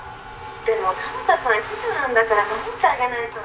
でも蒲田さん秘書なんだから守ってあげないと。